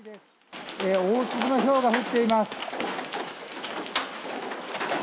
大粒のひょうが降っています。